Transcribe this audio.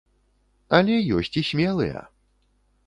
Але ёсць і смелыя.